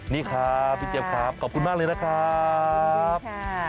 นี่ครับพี่เจี๊ยบครับขอบคุณมากเลยนะครับ